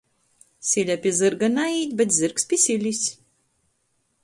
Sile pi zyrga naīt, bet zyrgs pi silis.